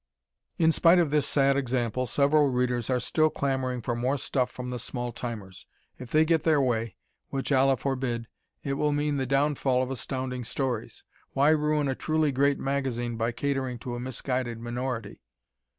In spite of this sad example, several readers are still clamoring for more stuff from the small timers. If they get their way which Allah forbid! it will mean the downfall of Astounding Stories. Why ruin a truly great magazine by catering to a misguided minority?